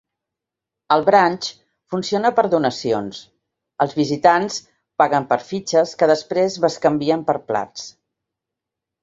El "brunch" funciona per donacions; els visitants paguen per fitxes, que després bescanvien per plats.